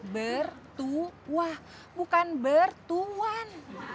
bertuah bukan bertuan